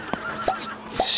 よし。